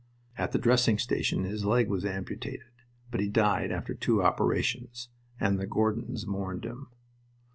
At the dressing station his leg was amputated, but he died after two operations, and the Gordons mourned him.